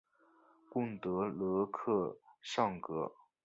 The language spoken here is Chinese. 贡德勒克桑格。